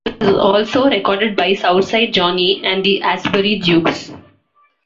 It was also recorded by Southside Johnny and the Asbury Jukes.